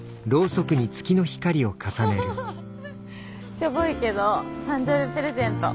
しょぼいけど誕生日プレゼント。